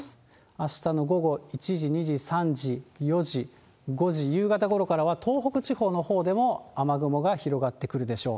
あしたの午後１時、２時、３時、４時、５時、夕方ごろからは東北地方のほうでも雨雲が広がってくるでしょう。